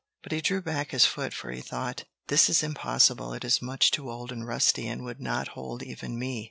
But he drew back his foot, for he thought: "This is impossible. It is much too old and rusty, and would not hold even me!"